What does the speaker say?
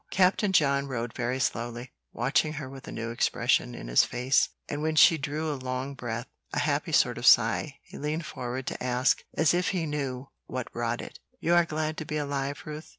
Captain John rowed very slowly, watching her with a new expression in his face; and when she drew a long breath, a happy sort of sigh, he leaned forward to ask, as if he knew what brought it, "You are glad to be alive, Ruth?"